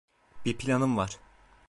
Bir planım var.